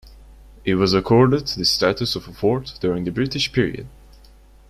It was accorded the status of a fort during the British period.